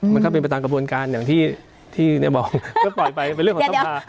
มันก็เป็นไปตามกระบวนการอย่างที่บอกก็ปล่อยไปเป็นเรื่องของสภา